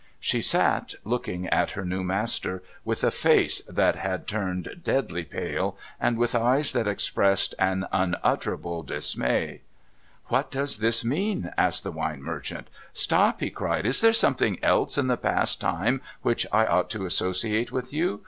She sat, looking at her new master, with a face that had turned deadly pale, and with eyes that expressed an unutterable dismay. ■* What does this mean ?' asked the wine merchant. ' Stop !' he cried. ' Is there something else in the past time which I ought to associate with you